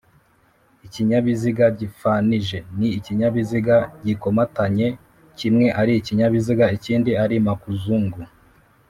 Ikinyabiziga gifanijeNi ikinyabiziga gikomatanye kimwe ari ikinyabiziga ikindi ari makuzungu